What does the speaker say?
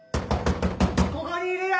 ここにいるよ！